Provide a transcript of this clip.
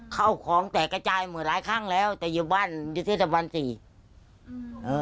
เข้าของแตกระจายหมื่นหลายครั้งแล้วแต่อยู่บ้านอยู่ที่สิทธิ์ภาษีอืม